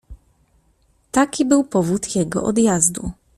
"Taki był powód jego odjazdu“."